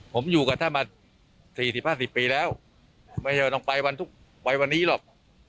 ผมอยู่กันมา๔๐๕๐ปีแล้วไม่ต้องไปวันทุกวัยวันนี้หรอก